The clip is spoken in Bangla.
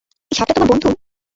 এই সাপটা তোমার বন্ধু?